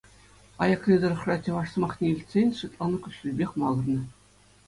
Аякри тӑрӑхра чӑваш сӑмахне илтсен Светлана куҫҫульпех макӑрнӑ.